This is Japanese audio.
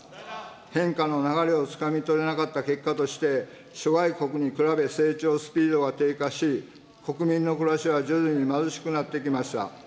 変化の流れをつかみ取れなかった結果として、諸外国に比べ成長スピードが低下し、国民の暮らしは徐々に貧しくなってきました。